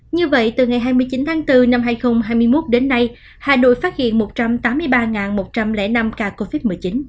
như vậy từ ngày hai mươi chín tháng bốn năm hai nghìn hai mươi một đến nay hà nội phát hiện một trăm tám mươi ba một trăm linh năm ca covid một mươi chín